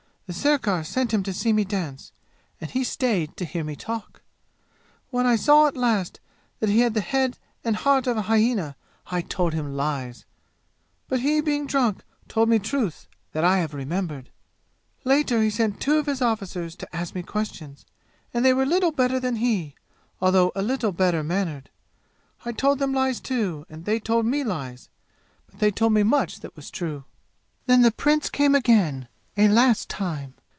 The sirkar sent him to see me dance, and he stayed to hear me talk. When I saw at last that he has the head and heart of a hyena I told him lies. But he, being drunk, told me truths that I have remembered. "Later he sent two of his officers to ask me questions, and they were little better than he, although a little better mannered. I told them lies, too, and they told me lies, but they told me much that was true. "Then the prince came again, a last time.